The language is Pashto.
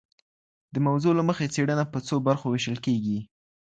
د موضوع له مخي څېړنه په څو برخو وېشل کيږي.